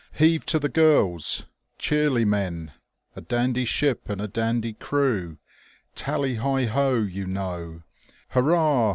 " Heave to the Girls," " Cheerly, Men,'* "A dandy ship and a dandy crew," " Tally hi ho ! You know," ''Hurrah!